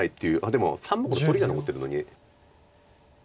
でも３目取りが残ってるのに。